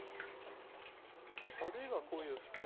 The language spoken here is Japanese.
あるいはこういう普通の。